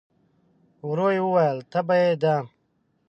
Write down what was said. ورو يې وویل: تبه يې ده؟